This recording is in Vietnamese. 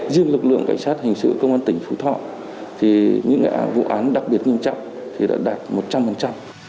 riêng lực lượng cảnh sát hình sự công an tỉnh phú thọ thì những vụ án đặc biệt nghiêm trọng thì đã đạt một trăm linh